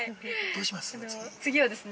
◆どうします？